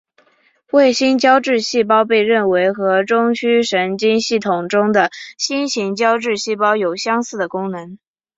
卫星胶质细胞被认为和中枢神经系统中的星型胶质细胞有相似的功能。